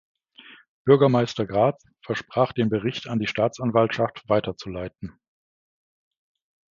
Bürgermeister Gratz versprach, den Bericht an die Staatsanwaltschaft weiter zu leiten.